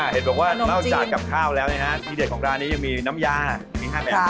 เห็นบอกว่านอกจากกับข้าวแล้วนะฮะทีเด็ดของร้านนี้ยังมีน้ำยามี๕แบบ